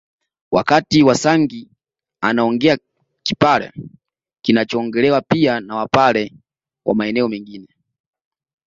Wakati wasangi anaongea kipare kinachoongelewa pia na Wapare wa maeneo mengine